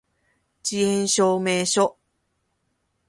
遅延証明書